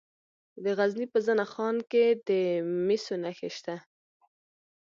د غزني په زنه خان کې د مسو نښې شته.